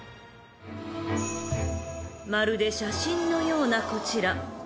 ［まるで写真のようなこちら］